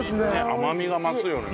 甘みが増すよね。